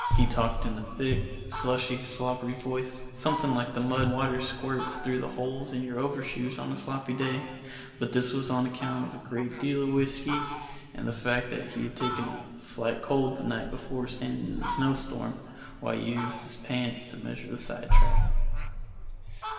He talked in a thick, slushy, slobbery voice, something like the mud and water squirts through the holes in your overshoes on a sloppy day, but this was on account of a great deal of whiskey and the fact that he had taken a slight cold the night before standing in the snowstorm while we used his pants to measure the sidetrack.